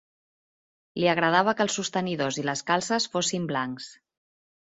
Li agradava que els sostenidors i les calces fossin blancs.